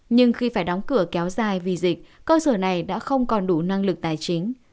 nhưng khi phải đóng cửa kéo dài vì dịch cơ sở này đã không còn đủ năng lực tài chính